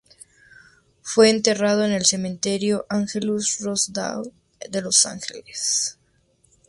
Fue enterrado en el cementerio Angelus-Rosedale de Los Ángeles.